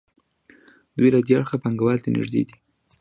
دوی له دې اړخه پانګوال ته نږدې دي.